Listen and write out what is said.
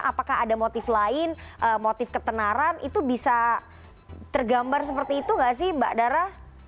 apakah ada motif lain motif ketenaran itu bisa tergambar seperti itu nggak sih mbak dara